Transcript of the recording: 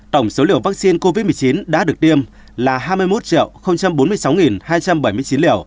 tổng số liều vaccine covid một mươi chín đã được tiêm là hai mươi một bốn mươi sáu hai trăm bảy mươi chín liều